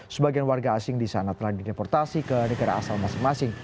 sebagian warga asing di sana telah dideportasi ke negara asal masing masing